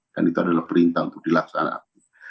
dan itu adalah perintah untuk dilaksanakan